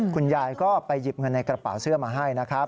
คุณยายก็ไปหยิบเงินในกระเป๋าเสื้อมาให้นะครับ